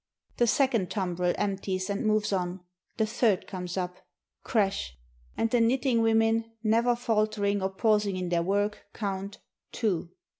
The second tumbrel empties and moves on ! the third comes up. Crash! — And the knitting women, never faltering or pausing in their work, count Two.